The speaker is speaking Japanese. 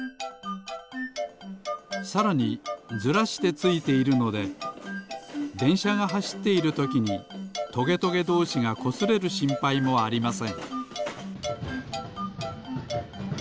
さらにずらしてついているのででんしゃがはしっているときにトゲトゲどうしがこすれるしんぱいもありません。